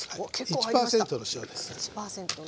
１％の塩です。